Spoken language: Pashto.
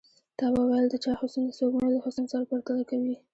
تا به ويل د چا حسن د سپوږمۍ له حسن سره پرتله کوي.